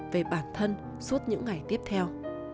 về bản thân suốt những ngày tiếp theo